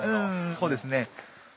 そうですね。